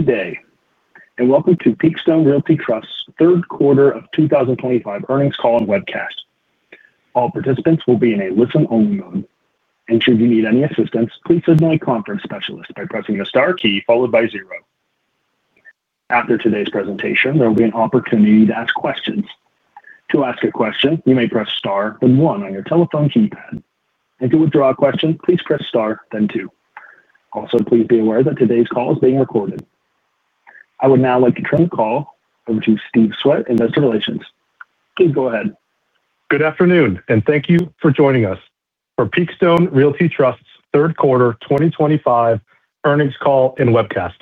Good day, and welcome to Peakstone Realty Trust's Third Quarter of 2025 Earnings Call and Webcast. All participants will be in a listen-only mode. Should you need any assistance, please signal a conference specialist by pressing the star key followed by zero. After today's presentation, there will be an opportunity to ask questions. To ask a question, you may press star then one on your telephone keypad. To withdraw a question, please press star then two. Also, please be aware that today's call is being recorded. I would now like to turn the call over to Steve Swett in Investor Relations. Please go ahead. Good afternoon, and thank you for joining us for Peakstone Realty Trust's Third Quarter 2025 Earnings Call and Webcast.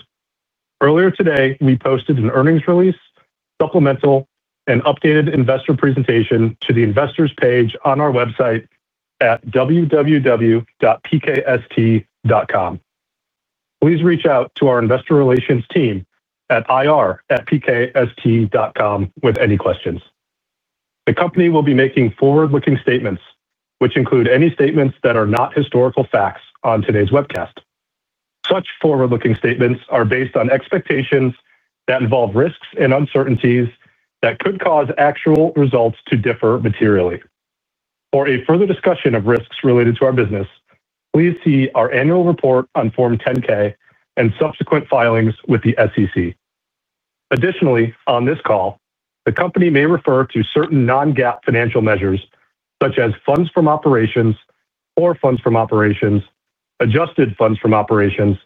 Earlier today, we posted an earnings release, supplemental, and updated investor presentation to the investors' page on our website at www.pkst.com. Please reach out to our investor relations team at ir@pkst.com with any questions. The company will be making forward-looking statements, which include any statements that are not historical facts on today's webcast. Such forward-looking statements are based on expectations that involve risks and uncertainties that could cause actual results to differ materially. For a further discussion of risks related to our business, please see our annual report on Form 10-K and subsequent filings with the SEC. Additionally, on this call, the company may refer to certain non-GAAP financial measures such as funds from operations or funds from operations, adjusted funds from operations,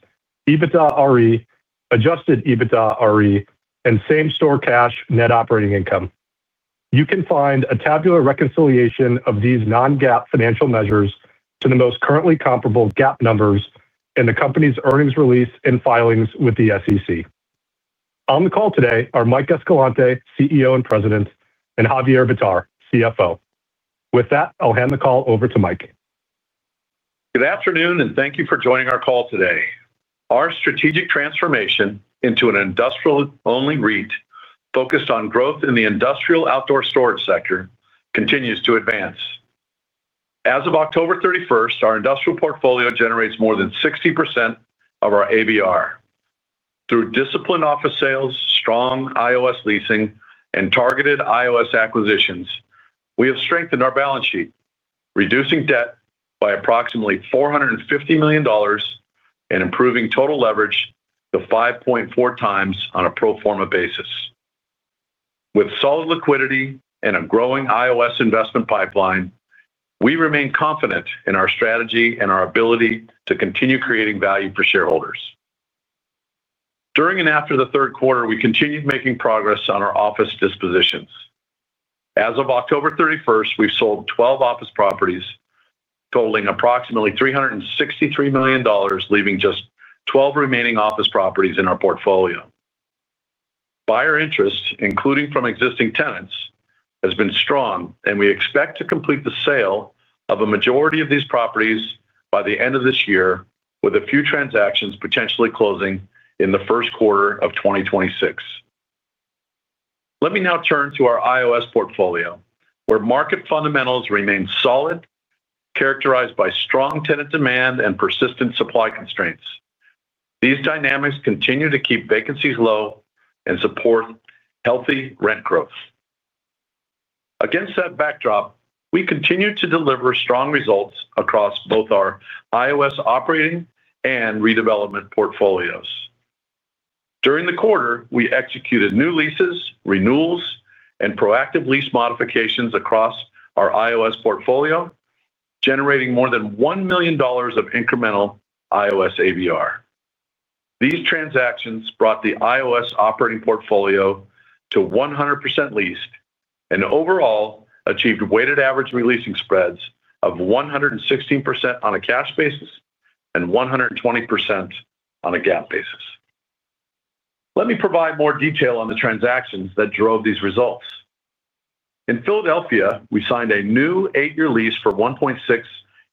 EBITDA RE, Adjusted EBITDA RE, and same-store cash net operating income. You can find a tabular reconciliation of these non-GAAP financial measures to the most currently comparable GAAP numbers in the company's earnings release and filings with the SEC. On the call today are Mike Escalante, CEO and President, and Javier Bitar, CFO. With that, I'll hand the call over to Mike. Good afternoon, and thank you for joining our call today. Our strategic transformation into an industrial-only REIT focused on growth in the industrial outdoor storage sector continues to advance. As of October 31st, our industrial portfolio generates more than 60% of our ABR. Through disciplined office sales, strong IOS leasing, and targeted IOS acquisitions, we have strengthened our balance sheet, reducing debt by approximately $450 million. And improving total leverage to 5.4 times on a pro forma basis. With solid liquidity and a growing IOS investment pipeline, we remain confident in our strategy and our ability to continue creating value for shareholders. During and after the third quarter, we continued making progress on our office dispositions. As of October 31st, we've sold 12 office properties totaling approximately $363 million, leaving just 12 remaining office properties in our portfolio. Buyer interest, including from existing tenants, has been strong, and we expect to complete the sale of a majority of these properties by the end of this year, with a few transactions potentially closing in the first quarter of 2026. Let me now turn to our IOS portfolio, where market fundamentals remain solid, characterized by strong tenant demand and persistent supply constraints. These dynamics continue to keep vacancies low and support healthy rent growth. Against that backdrop, we continue to deliver strong results across both our IOS operating and redevelopment portfolios. During the quarter, we executed new leases, renewals, and proactive lease modifications across our IOS portfolio, generating more than $1 million of incremental IOS ABR. These transactions brought the IOS operating portfolio to 100% leased and overall achieved weighted average releasing spreads of 116% on a cash basis and 120% on a GAAP basis. Let me provide more detail on the transactions that drove these results. In Philadelphia, we signed a new eight-year lease for 1.6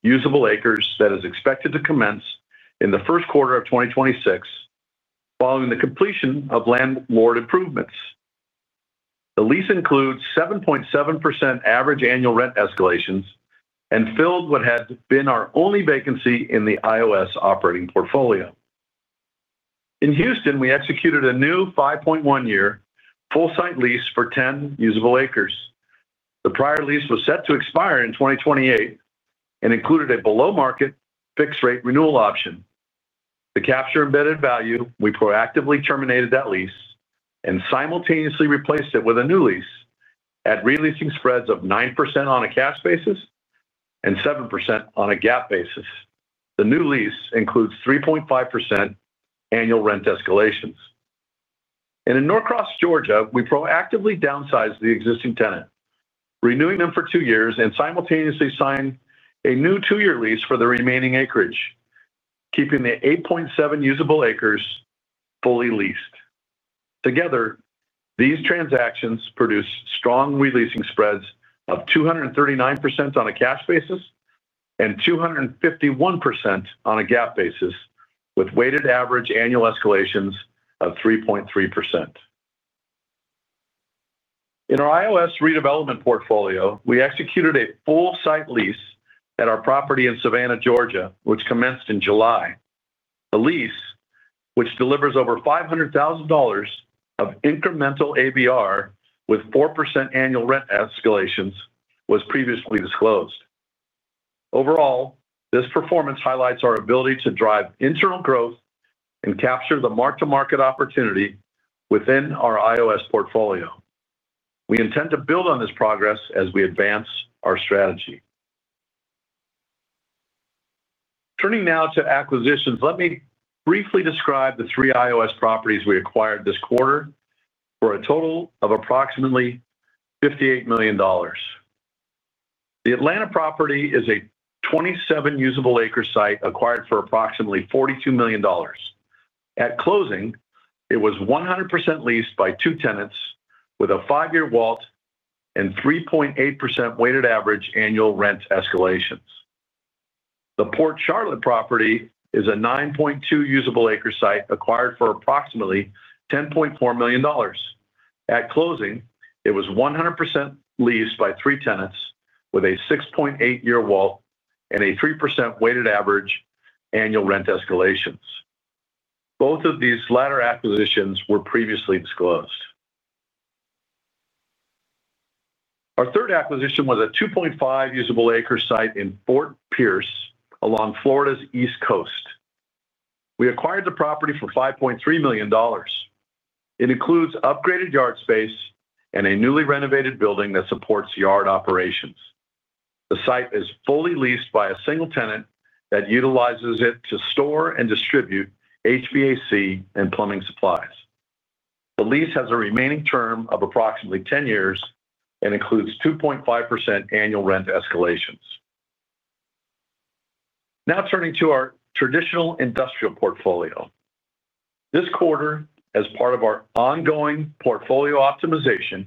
usable acres that is expected to commence in the first quarter of 2026. Following the completion of landlord improvements. The lease includes 7.7% average annual rent escalations and filled what had been our only vacancy in the IOS operating portfolio. In Houston, we executed a new 5.1-year full-site lease for 10 usable acres. The prior lease was set to expire in 2028 and included a below-market fixed-rate renewal option. To capture embedded value, we proactively terminated that lease and simultaneously replaced it with a new lease at releasing spreads of 9% on a cash basis and 7% on a GAAP basis. The new lease includes 3.5% annual rent escalations. In Norcross, Georgia, we proactively downsized the existing tenant, renewing them for two years and simultaneously signed a new two-year lease for the remaining acreage, keeping the 8.7 usable acres fully leased. Together, these transactions produce strong releasing spreads of 239% on a cash basis and 251% on a GAAP basis, with weighted average annual escalations of 3.3%. In our IOS redevelopment portfolio, we executed a full-site lease at our property in Savannah, Georgia, which commenced in July. The lease, which delivers over $500,000 of incremental ABR with 4% annual rent escalations, was previously disclosed. Overall, this performance highlights our ability to drive internal growth and capture the mark-to-market opportunity within our IOS portfolio. We intend to build on this progress as we advance our strategy. Turning now to acquisitions, let me briefly describe the three IOS properties we acquired this quarter for a total of approximately $58 million. The Atlanta property is a 27 usable-acre site acquired for approximately $42 million. At closing, it was 100% leased by two tenants with a five-year WALT and 3.8% weighted average annual rent escalations. The Port Charlotte property is a 9.2 usable-acre site acquired for approximately $10.4 million. At closing, it was 100% leased by three tenants with a 6.8-year WALT and a 3% weighted average annual rent escalations. Both of these latter acquisitions were previously disclosed. Our third acquisition was a 2.5 usable-acre site in Fort Pierce along Florida's East Coast. We acquired the property for $5.3 million. It includes upgraded yard space and a newly renovated building that supports yard operations. The site is fully leased by a single tenant that utilizes it to store and distribute HVAC and plumbing supplies. The lease has a remaining term of approximately 10 years and includes 2.5% annual rent escalations. Now turning to our traditional industrial portfolio. This quarter, as part of our ongoing portfolio optimization,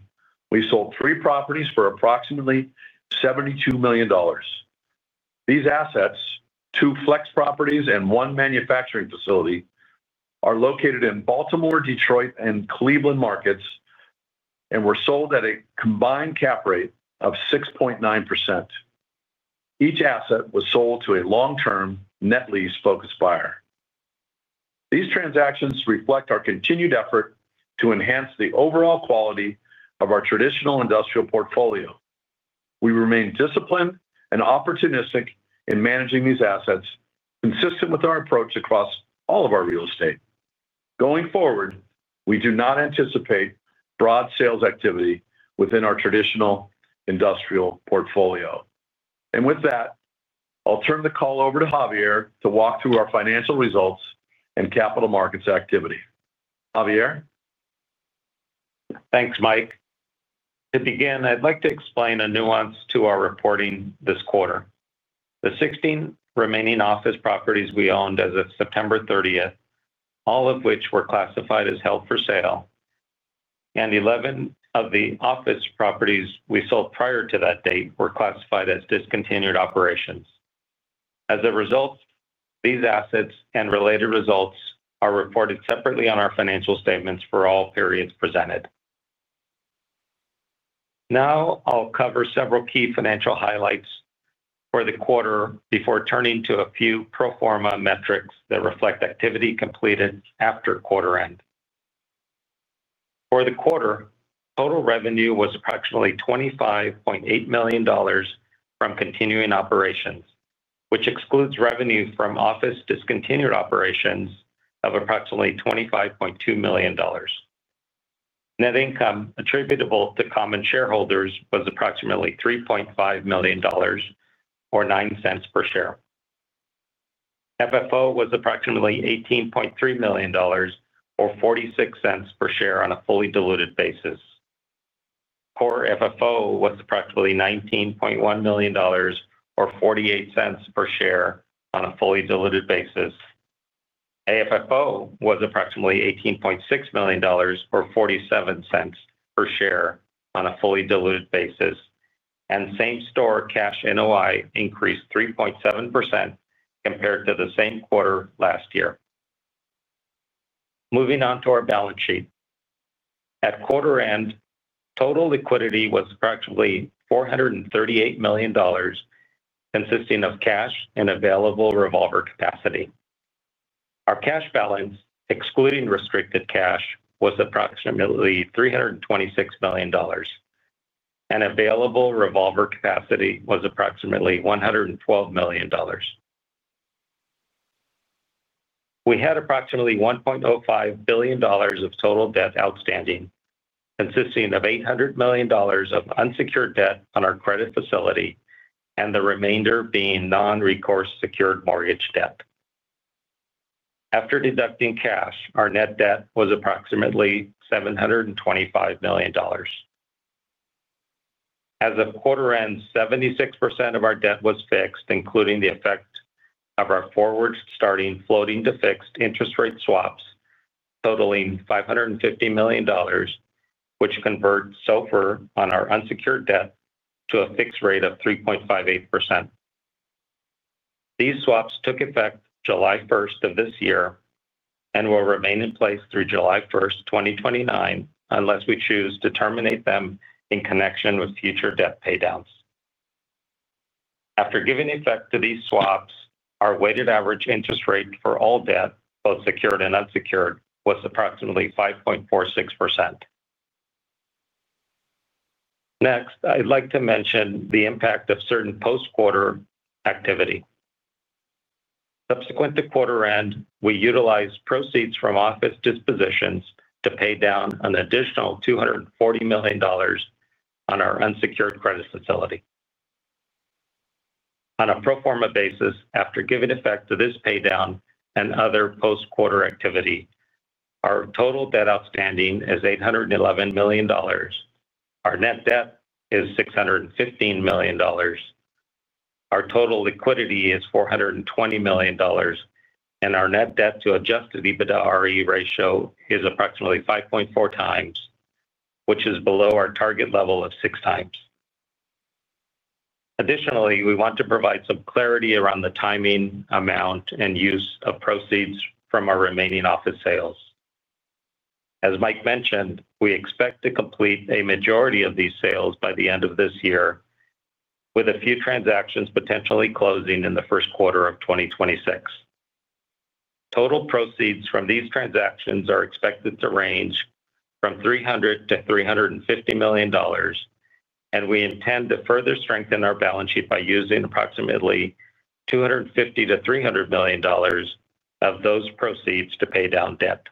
we sold three properties for approximately $72 million. These assets, two flex properties and one manufacturing facility, are located in Baltimore, Detroit, and Cleveland markets. And were sold at a combined cap rate of 6.9%. Each asset was sold to a long-term net lease-focused buyer. These transactions reflect our continued effort to enhance the overall quality of our traditional industrial portfolio. We remain disciplined and opportunistic in managing these assets, consistent with our approach across all of our real estate. Going forward, we do not anticipate broad sales activity within our traditional. Industrial portfolio. And with that. I'll turn the call over to Javier to walk through our financial results and capital markets activity. Javier? Thanks, Mike. To begin, I'd like to explain a nuance to our reporting this quarter. The 16 remaining office properties we owned as of September 30th, all of which were classified as held for sale. And 11 of the office properties we sold prior to that date were classified as discontinued operations. As a result, these assets and related results are reported separately on our financial statements for all periods presented. Now I'll cover several key financial highlights for the quarter before turning to a few pro forma metrics that reflect activity completed after quarter end. For the quarter, total revenue was approximately $25.8 million from continuing operations, which excludes revenue from office discontinued operations of approximately $25.2 million. Net income attributable to common shareholders was approximately $3.5 million. Or 9 cents per share. FFO was approximately $18.3 million. Or 46 cents per share on a fully diluted basis. Core FFO was approximately $19.1 million or $0.48 per share on a fully diluted basis. AFFO was approximately $18.6 million or $0.47 per share on a fully diluted basis. Same-store cash NOI increased 3.7% compared to the same quarter last year. Moving on to our balance sheet. At quarter end, total liquidity was approximately $438 million consisting of cash and available revolver capacity. Our cash balance, excluding restricted cash, was approximately $326 million and available revolver capacity was approximately $112 million. We had approximately $1.05 billion of total debt outstanding, consisting of $800 million of unsecured debt on our credit facility and the remainder being non-recourse secured mortgage debt. After deducting cash, our net debt was approximately $725 million. As of quarter end, 76% of our debt was fixed, including the effect of our forward-starting floating-to-fixed interest rate swaps totaling $550 million, which converts SOFR on our unsecured debt to a fixed rate of 3.58%. These swaps took effect July 1st of this year and will remain in place through July 1st, 2029, unless we choose to terminate them in connection with future debt paydowns. After giving effect to these swaps, our weighted average interest rate for all debt, both secured and unsecured, was approximately 5.46%. Next, I'd like to mention the impact of certain post-quarter activity. Subsequent to quarter end, we utilized proceeds from office dispositions to pay down an additional $240 million. On our unsecured credit facility. On a pro forma basis, after giving effect to this paydown and other post-quarter activity, our total debt outstanding is $811 million. Our net debt is $615 million. Our total liquidity is $420 million. Our net debt to Adjusted EBITDA RE ratio is approximately 5.4 times, which is below our target level of six times. Additionally, we want to provide some clarity around the timing, amount, and use of proceeds from our remaining office sales. As Mike mentioned, we expect to complete a majority of these sales by the end of this year, with a few transactions potentially closing in the first quarter of 2026. Total proceeds from these transactions are expected to range from $300 million-$350 million. We intend to further strengthen our balance sheet by using approximately $250 million-$300 million of those proceeds to pay down debt.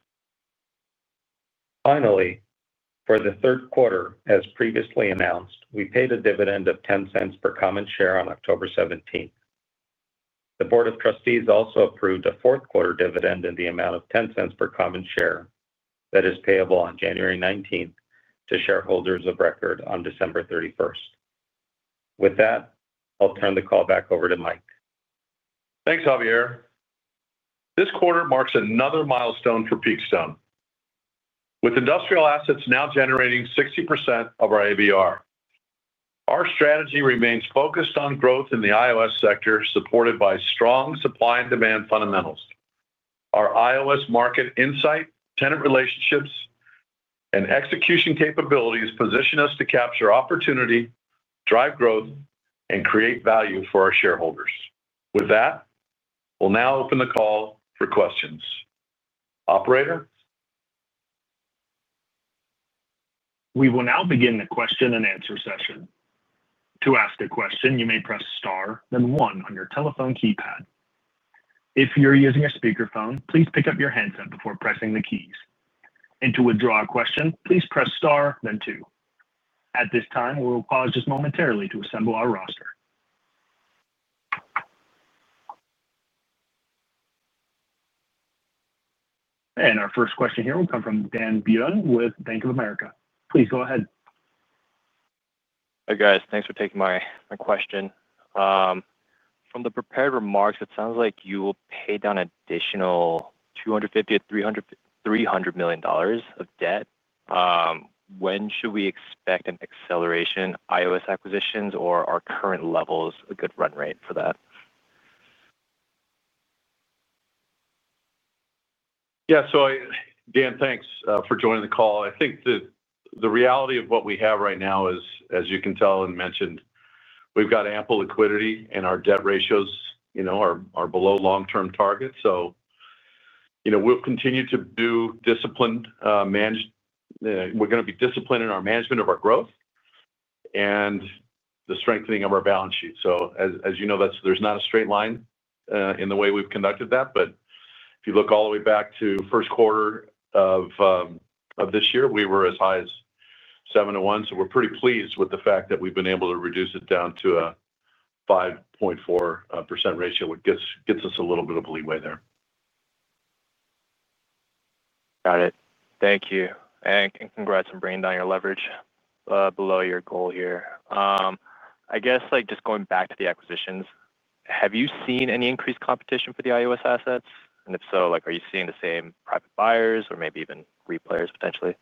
Finally, for the third quarter, as previously announced, we paid a dividend of $0.10 per common share on October 17th. The Board of Trustees also approved a fourth-quarter dividend in the amount of 10 cents per common share that is payable on January 19th to shareholders of record on December 31st. With that, I'll turn the call back over to Mike. Thanks, Javier. This quarter marks another milestone for Peakstone. With industrial assets now generating 60% of our ABR. Our strategy remains focused on growth in the IOS sector, supported by strong supply and demand fundamentals. Our IOS market insight, tenant relationships, and execution capabilities position us to capture opportunity, drive growth, and create value for our shareholders. With that, we'll now open the call for questions. Operator. We will now begin the question and answer session. To ask a question, you may press star then one on your telephone keypad. If you're using a speakerphone, please pick up your headset before pressing the keys. And to withdraw a question, please press star then two. At this time, we will pause just momentarily to assemble our roster. And our first question here will come from Dan Byun with Bank of America. Please go ahead. Hey, guys. Thanks for taking my question. From the prepared remarks, it sounds like you will pay down an additional $250 to $300 million of debt. When should we expect an acceleration, IOS acquisitions, or our current levels, a good run rate for that? Yeah. So, Dan, thanks for joining the call. I think the reality of what we have right now is, as you can tell and mentioned, we've got ample liquidity, and our debt ratios are below long-term targets. So. We'll continue to do disciplined management. We're going to be disciplined in our management of our growth. And the strengthening of our balance sheet. So, as you know, there's not a straight line in the way we've conducted that. But if you look all the way back to first quarter of. This year, we were as high as 7 to 1. So we're pretty pleased with the fact that we've been able to reduce it down to a. 5.4% ratio, which gets us a little bit of leeway there. Got it. Thank you. And congrats on bringing down your leverage below your goal here. I guess just going back to the acquisitions, have you seen any increased competition for the IOS assets? And if so, are you seeing the same private buyers or maybe even replayers, potentially?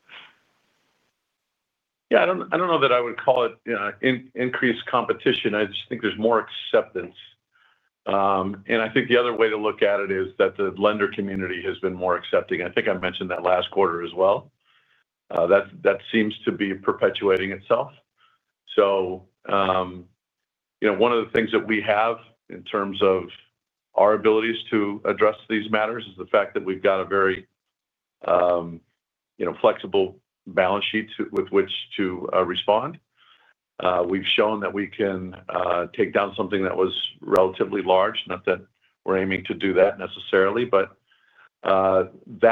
Yeah. I don't know that I would call it increased competition. I just think there's more acceptance. And I think the other way to look at it is that the lender community has been more accepting. I think I mentioned that last quarter as well. That seems to be perpetuating itself. So. One of the things that we have in terms of. Our abilities to address these matters is the fact that we've got a very. Flexible balance sheet with which to respond. We've shown that we can take down something that was relatively large. Not that we're aiming to do that necessarily, but. Those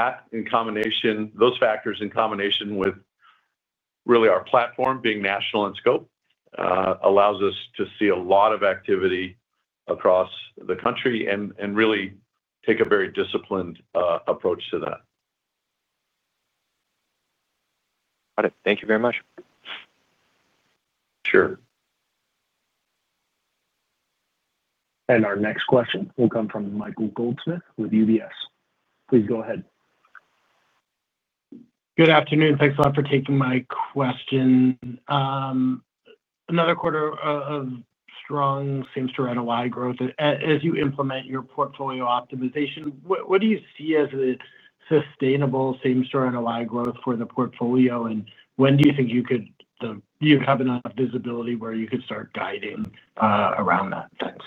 factors in combination with. Really our platform being national in scope. Allows us to see a lot of activity across the country and really take a very disciplined approach to that. Got it. Thank you very much. Sure. And our next question will come from Michael Goldsmith with UBS. Please go ahead. Good afternoon. Thanks a lot for taking my question. Another quarter of strong same-store NOI growth as you implement your portfolio optimization. What do you see as a sustainable same-store NOI growth for the portfolio? And when do you think you could. Have enough visibility where you could start guiding around that? Thanks.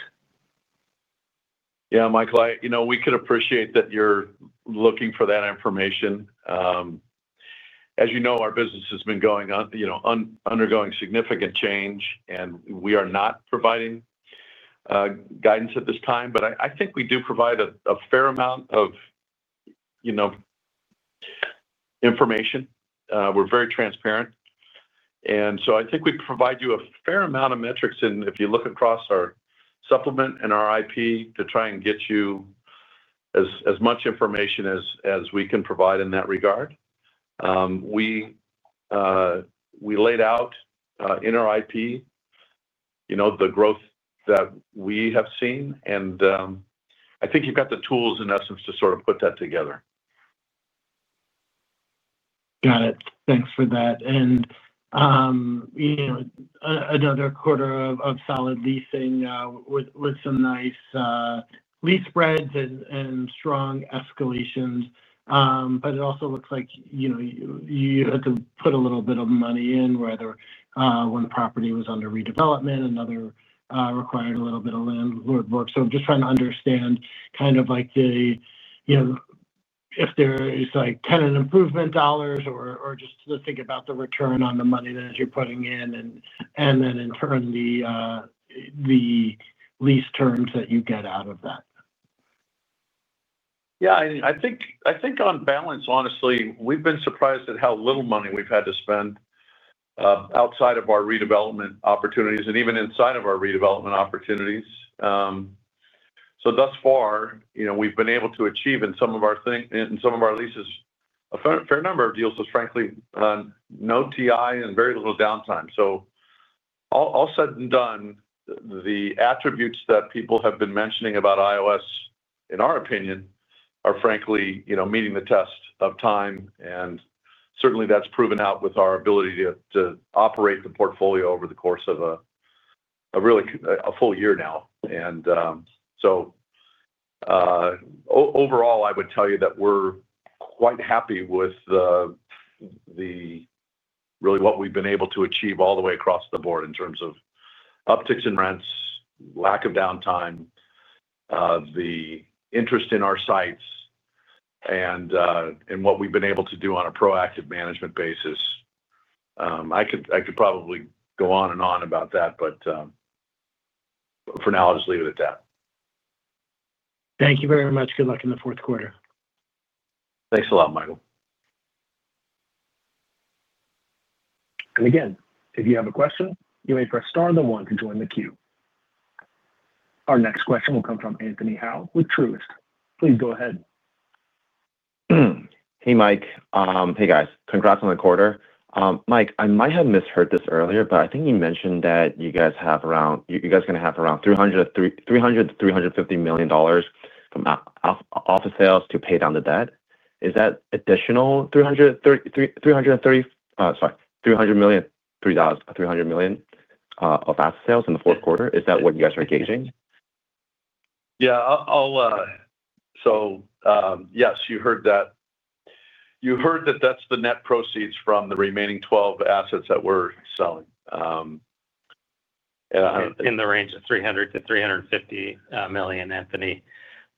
Yeah, Michael, we could appreciate that you're looking for that information. As you know, our business has been undergoing significant change, and we are not providing. Guidance at this time. But I think we do provide a fair amount of. Information. We're very transparent. And so I think we provide you a fair amount of metrics. And if you look across our supplement and our IP to try and get you. As much information as we can provide in that regard. We laid out in our IP. The growth that we have seen. And. I think you've got the tools, in essence, to sort of put that together. Got it. Thanks for that. And. Another quarter of solid leasing with some nice. Lease spreads and strong escalations. But it also looks like. You had to put a little bit of money in, whether one property was under redevelopment, another required a little bit of landlord work. So I'm just trying to understand kind of. If there is tenant improvement dollars or just to think about the return on the money that you're putting in and then, in turn, the. Lease terms that you get out of that. Yeah. I think on balance, honestly, we've been surprised at how little money we've had to spend. Outside of our redevelopment opportunities and even inside of our redevelopment opportunities. So thus far, we've been able to achieve in some of our. Leases a fair number of deals, frankly, on no TI and very little downtime. So. All said and done, the attributes that people have been mentioning about IOS, in our opinion, are frankly meeting the test of time. And certainly, that's proven out with our ability to operate the portfolio over the course of. A full year now. And so. Overall, I would tell you that we're quite happy with. Really what we've been able to achieve all the way across the board in terms of upticks in rents, lack of downtime, the interest in our sites. And what we've been able to do on a proactive management basis. I could probably go on and on about that, but. For now, I'll just leave it at that. Thank you very much. Good luck in the fourth quarter. Thanks a lot, Michael. And again, if you have a question, you may press star then one to join the queue. Our next question will come from Anthony Howe with Truist. Please go ahead. Hey, Mike. Hey, guys. Congrats on the quarter. Mike, I might have misheard this earlier, but I think you mentioned that you guys have around you guys are going to have around $300 to $350 million. From. Office sales to pay down the debt. Is that additional 330, sorry, $300 million. Of asset sales in the fourth quarter? Is that what you guys are engaging? Yeah. So yes, you heard that. That's the net proceeds from the remaining 12 assets that we're selling. In the range of 300 to 350 million, Anthony.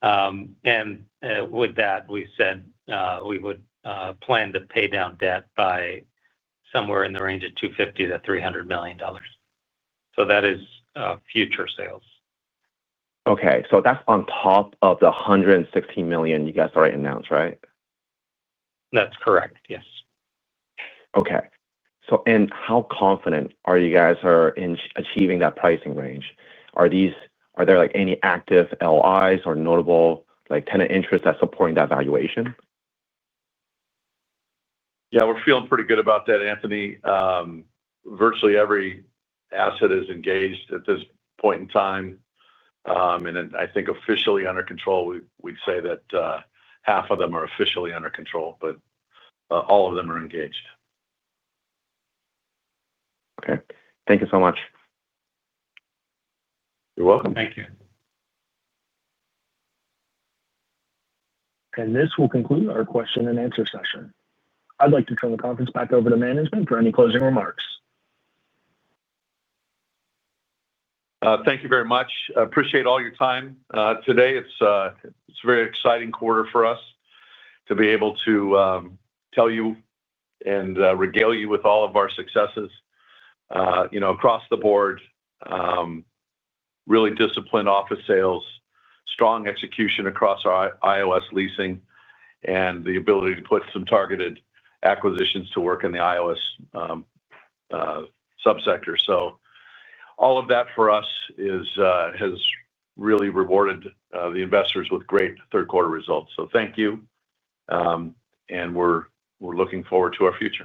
And with that, we said we would plan to pay down debt by. Somewhere in the range of $250 to $300 million. So that is future sales. Okay. So that's on top of the 160 million you guys already announced, right? That's correct. Yes. Okay. And how confident are you guys in achieving that pricing range? Are there any active LIs or notable tenant interest that's supporting that valuation? Yeah. We're feeling pretty good about that, Anthony. Virtually every asset is engaged at this point in time. And I think officially under control, we'd say that. Half of them are officially under control, but all of them are engaged. Okay. Thank you so much. You're welcome. Thank you. And this will conclude our question and answer session. I'd like to turn the conference back over to management for any closing remarks. Thank you very much. Appreciate all your time today. It's a very exciting quarter for us to be able to. Tell you and regale you with all of our successes. Across the board. Really disciplined office sales, strong execution across our IOS leasing, and the ability to put some targeted acquisitions to work in the IOS. Subsector. So all of that for us. Has really rewarded the investors with great third-quarter results. So thank you. And we're looking forward to our future.